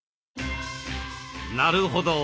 なるほど。